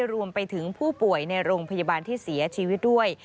รวมไปถึงผู้ป่วยในโรงพยาบาลที่เสียชีวิตด้วย